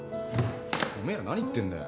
お前ら何言ってんだよ？